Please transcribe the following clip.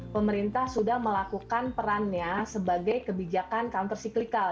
pemerintah sudah melakukan perannya sebagai kebijakan counter cyclical